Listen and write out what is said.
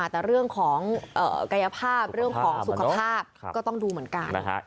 แต่เรื่องของกายภาพเรื่องของสุขภาพก็ต้องดูเหมือนกัน